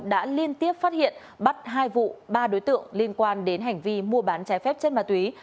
đã liên tiếp phát hiện bắt hai vụ ba đối tượng liên quan đến hành vi mua bán trái phép chất ma túy